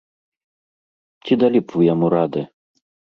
Ці далі б вы яму рады!?